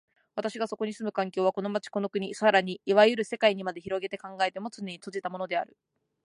私がそこに住む環境は、この町、この国、更にいわゆる世界にまで拡げて考えても、つねに閉じたものである。